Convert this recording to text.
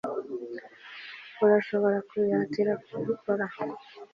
urashobora kubihatira kubikora